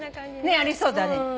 ありそうだね。